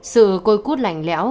sự côi cút lạnh lẽo